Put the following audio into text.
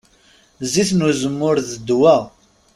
Zzit n uzemmur, d ddwa.